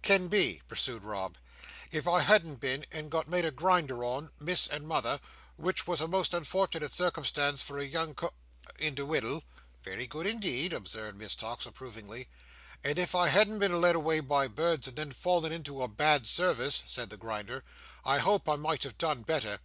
"—can be," pursued Rob. "If I hadn't been and got made a Grinder on, Miss and Mother, which was a most unfortunate circumstance for a young co—indiwiddle—" "Very good indeed," observed Miss Tox, approvingly. "—and if I hadn't been led away by birds, and then fallen into a bad service," said the Grinder, "I hope I might have done better.